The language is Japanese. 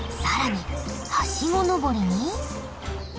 更にはしご登りに。